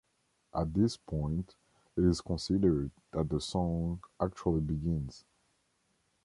At this point, it is considered that the song actually begins.